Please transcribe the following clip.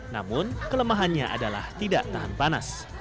namun kelemahannya adalah tidak tahan panas